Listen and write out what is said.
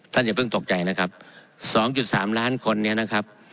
อย่าเพิ่งตกใจนะครับ๒๓ล้านคนเนี่ยนะครับ